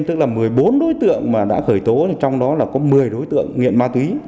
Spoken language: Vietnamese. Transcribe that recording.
tức là một mươi bốn đối tượng mà đã khởi tố trong đó là có một mươi đối tượng nghiện ma túy